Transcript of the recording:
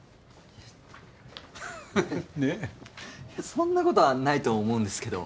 そんなことはないと思うんですけど。